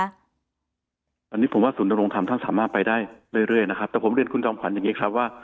อันนี้ผมว่าศูนยรงธรรมท่านสามารถไปได้เรื่อยนะครับแต่ผมเรียนคุณจอมขวัญอย่างนี้ครับว่า